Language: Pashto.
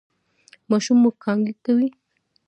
ماشوم مو کانګې کوي؟